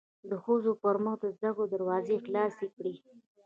د ښځو پرمخ د زده کړو دروازې خلاصې کړی